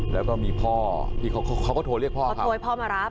แล้วก็มีพ่อที่เขาก็โทรเรียกพ่อ